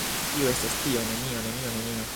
Kio estas tio? Nenio. Nenio. Nenio.